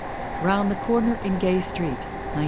Round the Corner in Gay Street, 1908.